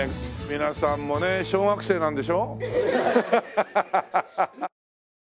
皆さんもね小学生なんでしょ？